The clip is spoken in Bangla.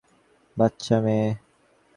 তুমি নিশ্চয়ই কিছু ভুল করছো, বাচ্চা মেয়ে।